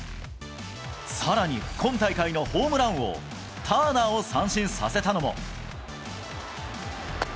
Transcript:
さらに、今大会のホームラン王、ターナーを三振させたのも。